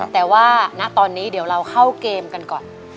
แต่ว่าณตอนนี้เดี๋ยวเราเข้าเกมกันก่อน